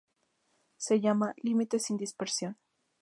Se llama límite sin dispersión.